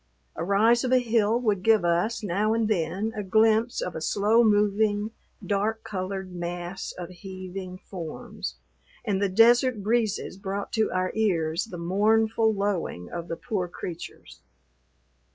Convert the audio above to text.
A rise of a hill would give us, now and then, a glimpse of a slow moving, dark colored mass of heaving forms, and the desert breezes brought to our ears the mournful lowing of the poor creatures.